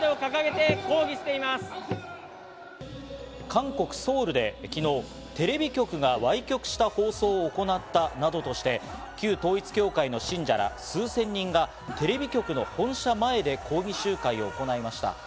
韓国・ソウルで昨日、テレビ局が歪曲した放送を行ったなどとして、旧統一教会の信者ら数千人がテレビ局の本社前で抗議集会を行いました。